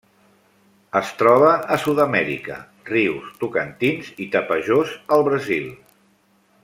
Es troba a Sud-amèrica: rius Tocantins i Tapajós al Brasil.